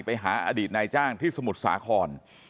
ไปหาอดีตนายจ้างที่สมุทรสาคร